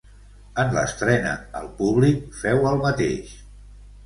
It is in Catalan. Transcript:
En l'estrena el públic féu el mateix.